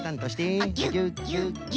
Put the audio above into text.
ギュッギュッギュ。